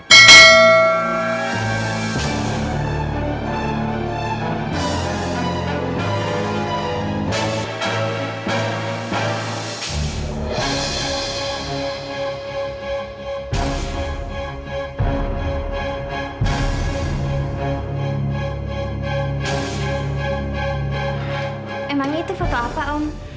emangnya itu foto apa om